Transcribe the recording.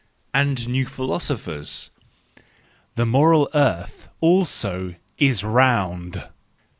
And new philosophers! The moral earth also is round!